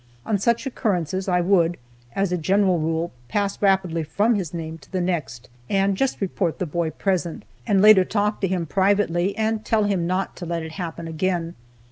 On such occurrences I would, as a general rule, pass rapidly from his name to the next and just report the boy present, and later talk to him privately and tell him not to let it happen again.